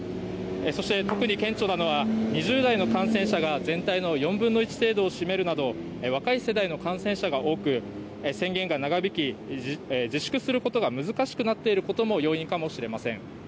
そして特に顕著なのは２０代の感染者が全体の４分の１程度を占めるなど若い世代の感染者が多く宣言が長引き自粛することが難しくなっていることも要因かもしれません。